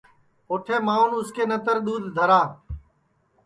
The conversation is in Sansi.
اوٹھے ماںٚون اُس کے نتر دؔودھ دھرا